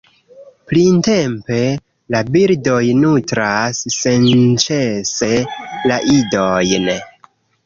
Printempe, la birdoj nutras senĉese la idojn.